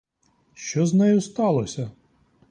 Що з нею сталося?